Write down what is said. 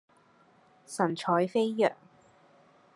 神采飛揚